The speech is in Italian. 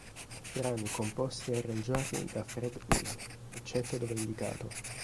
Brani composti e arrangiati da Fred Neil, eccetto dove indicato